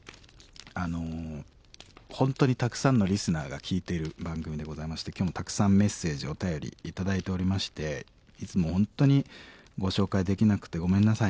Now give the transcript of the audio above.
あの本当にたくさんのリスナーが聴いている番組でございまして今日もたくさんメッセージお便り頂いておりましていつも本当にご紹介できなくてごめんなさいね。